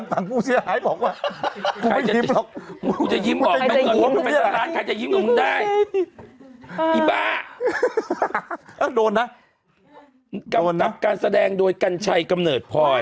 ตับการแสดงโดยกัญชัยกำเนิดพลอย